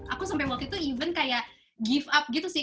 aku sampai waktu itu even kayak give up gitu sih